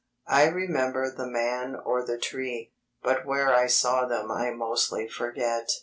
I remember the man or the tree, but where I saw them I mostly forget.